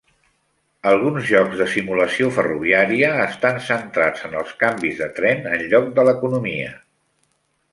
Alguns jocs de simulació ferroviària estan centrats en el canvis de tren enlloc de l"economia.